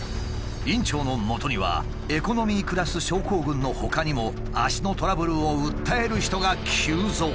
院長のもとにはエコノミークラス症候群のほかにも脚のトラブルを訴える人が急増。